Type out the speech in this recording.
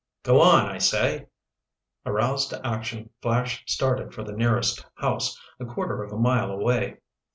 "Go on, I say!" Aroused to action, Flash started for the nearest house, a quarter of a mile away.